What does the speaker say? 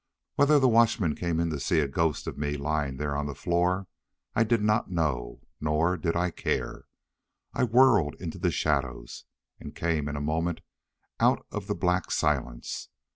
Whether the watchmen came in to see a ghost of me lying there on the floor I did not know, nor did I care. I whirled into the shadows. And came in a moment out of the black silence.